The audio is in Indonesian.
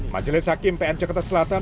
majelis hakim pn jakarta selatan